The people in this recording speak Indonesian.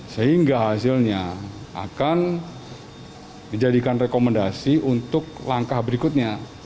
sehingga hasilnya akan dijadikan rekomendasi untuk langkah berikutnya